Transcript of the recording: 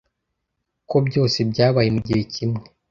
Ko byose byabaye mugihe kimwe.